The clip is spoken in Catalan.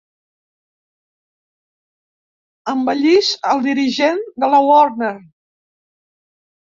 Embellís el dirigent de la Warner.